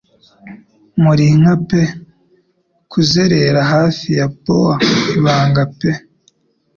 Muri nka pe kuzerera hafi ya bower ibanga pe